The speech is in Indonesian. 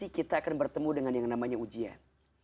kita akan bertemu dengan yang namanya ujian